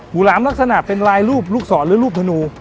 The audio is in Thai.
หลามลักษณะเป็นลายรูปลูกศรหรือรูปธนู